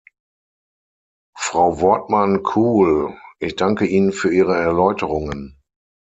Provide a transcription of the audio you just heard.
Frau Wortmann-Kool, ich danke Ihnen für Ihre Erläuterungen.